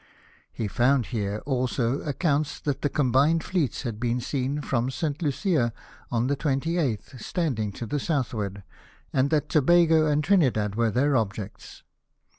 He found here also accounts that the combined fleets had l)een seen from St. Lucia on the 28th, standing to the southward, and that Tobago and Trinidad were their objects.